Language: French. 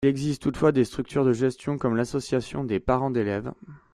Il existe toutefois des structures de gestion comme l’Association des Parents d’Elèves.